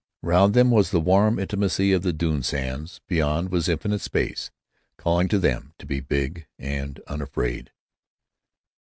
Round them was the warm intimacy of the dune sands; beyond was infinite space calling to them to be big and unafraid.